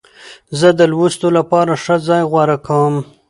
زه د لوستو لپاره ښه ځای غوره کوم.